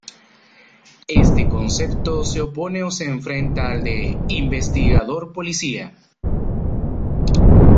Este concepto se opone o se enfrenta al de "investigador-policía".